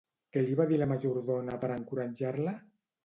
Què li va dir la majordona per encoratjar-la?